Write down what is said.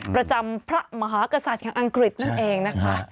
พระมหากษัตริย์ของอังกฤษนั่นเองนะคะ